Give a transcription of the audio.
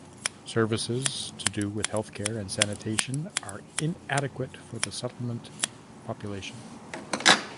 Services to do with health care and sanitation are inadequate for the settlement population.